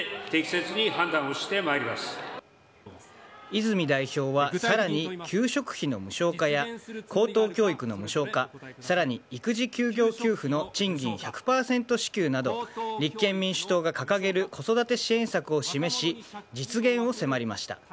泉代表は更に給食費の無償化や高等教育の無償化更に育児休業給付の賃金１００％支給など立憲民主党が掲げる子育て支援策を示し実現を迫りました。